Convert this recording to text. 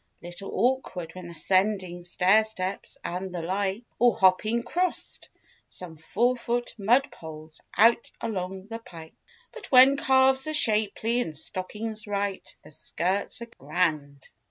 Little awkward when ascending Stair steps and the like, Or hopping 'crost some four foot mud holes Out along the pike. But, when calves are shapely and Stockings right—the skirts are grand.